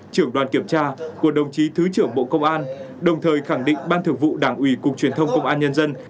trưởng đoàn kiểm tra của đồng chí thứ trưởng bộ công an đồng thời khẳng định ban thường vụ đảng ủy cục truyền thông công an nhân dân